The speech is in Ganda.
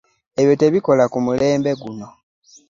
Ebyo tebikola ku mulembe guno.